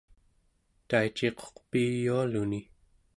taiciquq piyualuni